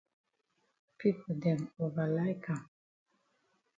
Pipo dem ova like am.